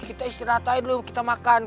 kita istirahat aja dulu kita makan